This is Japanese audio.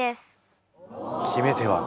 決め手は？